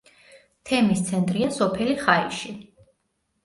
თემის ცენტრია სოფელი ხაიში.